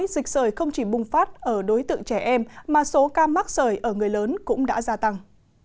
rời không chỉ bùng phát ở đối tượng trẻ em mà số ca mắc rời ở người lớn cũng đã gia tăng